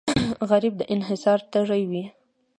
غریب د انصاف تږی وي